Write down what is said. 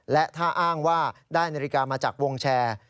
และถ้าอ้างว่าได้นาฬิกามาจากวงแชร์